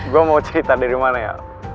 gue mau cerita dari mana ya